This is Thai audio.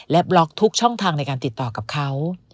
และบล็อกทุกช่องทางในการติดต่อกับเขา